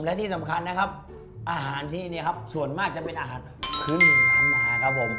และที่สำคัญนะครับอาหารที่นี่ครับส่วนมากจะเป็นอาหารพื้นเมืองล้านนาครับผม